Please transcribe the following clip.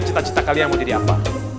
cita cita kalian mau jadi apa